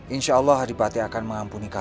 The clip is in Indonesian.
insya allah adipati akan mengampuni kalian